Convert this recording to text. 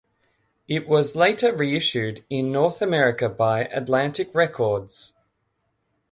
It was later reissued in North America by Atlantic Records.